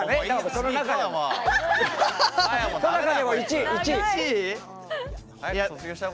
その中でも１位。